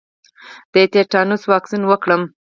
د تیتانوس واکسین وکړم؟